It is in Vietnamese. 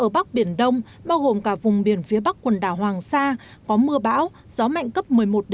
biển đông bao gồm cả vùng biển phía bắc quần đảo hoàng sa có mưa bão gió mạnh cấp một mươi một một mươi hai